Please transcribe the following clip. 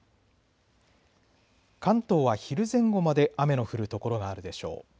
関東は昼前後まで雨の降る所があるでしょう。